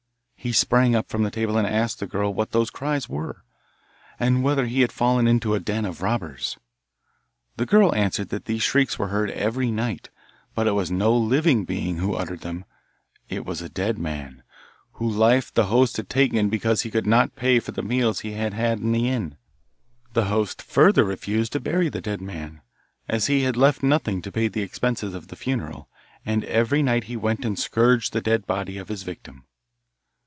He sprang up from the table and asked the girl what those cries were, and whether he had fallen into a den of robbers. The girl answered that these shrieks were heard every night, but it was no living being who uttered them; it was a dead man, who life the host had taken because he could not pay for the meals he had had in the inn. The host further refused to bury the dead man, as he had left nothing to pay the expenses of the funeral, and every night he went and scourged the dead body of his victim.